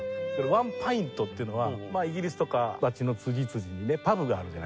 「Ｏｎｅｐｉｎｔ」っていうのはまあイギリスとか街の辻々にねパブがあるじゃないですか。